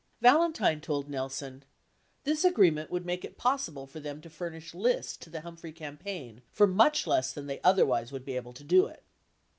Valentine told Nelson, "... this (agreement) would make it possible for them to furnish lists to the Humphrey campaign for much less than they otherwise would be able to do it."